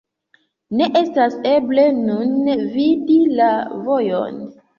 Ne estas eble nun vidi la vojon.